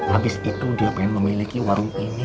habis itu dia pengen memiliki warung ini